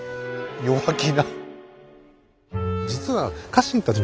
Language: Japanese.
弱気な。